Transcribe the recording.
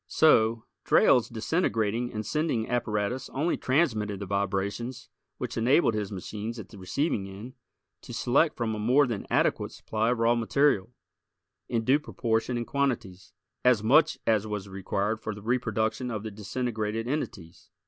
So, Drayle's disintegrating and sending apparatus only transmitted the vibrations which enabled his machines at the receiving end to select from a more than adequate supply of raw material, in due proportion and quantities, as much as was required for the reproduction of the disintegrated entities.